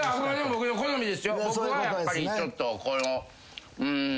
僕はやっぱりちょっとこのうん。